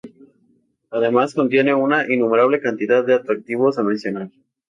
Además contiene una innumerable cantidad de atractivos a mencionar.